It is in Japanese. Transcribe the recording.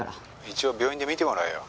「一応病院で見てもらえよ」